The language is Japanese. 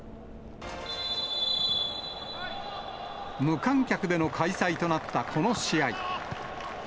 無観客での開催となったこの試合。